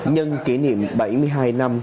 nhân kỷ niệm bảy mươi hai năm